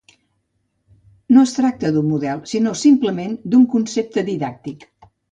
No es tracta d'un model, sinó simplement d'un concepte didàctic.